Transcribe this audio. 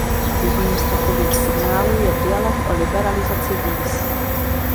Jedním z takových signálů je dialog o liberalizaci víz.